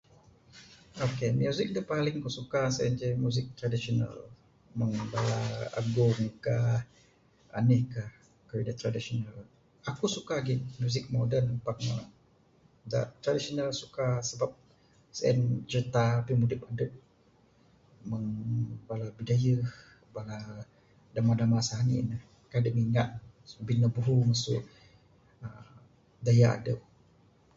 Ok muzik dak paling ku suka sien ceh muzik traditional mung bala agung ka enih ka keyuh dak traditional. Aku suka gi muzik moden pak ne dak traditional suka sabab sien cerita pimudip dep mung bala bidayuh damba damba sani ne kan dep minak bin ne buho mesu deya adep.